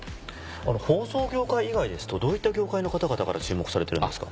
放送業界以外ですとどういった業界の方々から注目されてるんですか？